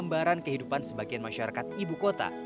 gambaran kehidupan sebagian masyarakat ibu kota